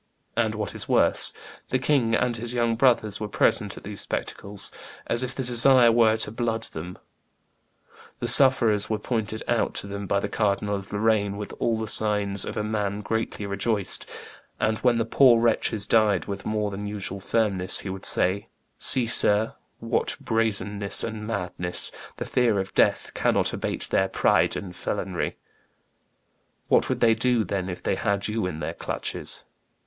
And what is worse, the king and his young brothers were present at these spectacles, as if the desire were to 'blood' them; the sufferers were pointed out to them by the Cardinal of Lorraine with all the signs of a man greatly rejoiced, and when the poor wretches died with more than usual firmness, he would say, 'See, sir, what brazenness and madness; the fear of death cannot abate their pride and felonry. What would they do, then, if they had you in their clutches?